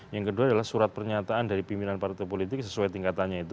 yang kedua adalah surat pernyataan dari pimpinan partai politik sesuai tingkatannya itu